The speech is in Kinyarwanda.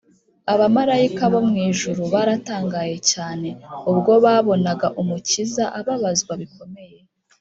abamarayika bo mu ijuru baratangaye cyane ubwo babonaga umukiza ababazwa bikomeye